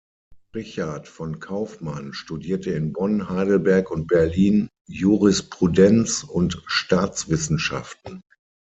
Richard von Kaufmann studierte in Bonn, Heidelberg und Berlin Jurisprudenz und Staatswissenschaften.